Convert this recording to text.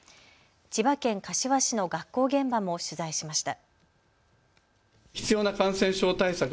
千葉県柏市の学校現場も取材しました。